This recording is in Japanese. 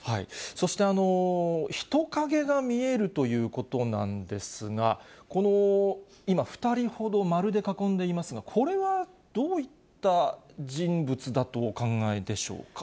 そして、人影が見えるということなんですが、この、今、２人ほど丸で囲んでいますが、これはどういった人物だとお考え